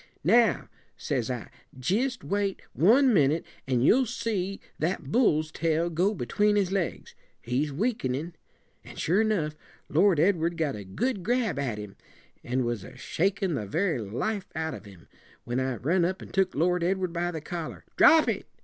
'Now,' says I, jist wait one minute, and you'll see that bull's tail go between his legs. He's weakenin'.' An' sure enough, Lord Edward got a good grab at him, and was a shakin' the very life out of him, when I run up and took Lord Edward by the collar. 'Drop it!'